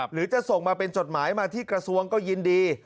หรือจะส่งมาเป็นจดหมายมาที่กระทรวงก็ยินดี